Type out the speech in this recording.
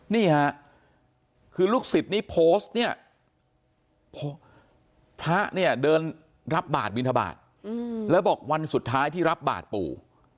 นี่ฮะคือลูกศิษย์นี้โพสต์เนี่ยพระเนี่ยเดินรับบาทบินทบาทแล้วบอกวันสุดท้ายที่รับบาทปู่